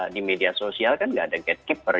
di media sosial kan nggak ada gatekeeper